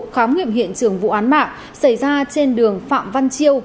khám nghiệm hiện trường vụ án mạng xảy ra trên đường phạm văn chiêu